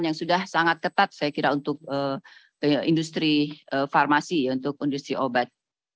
yang sudah sangat ketat saya kira untuk industri farmasi untuk industri obat